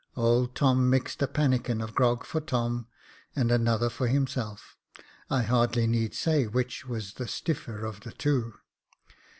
Old Tom mixed a pannikin of grog for Tom, and another for himself. I hardly need say which was the stiffer of the two.